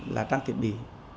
là trang tiệm đi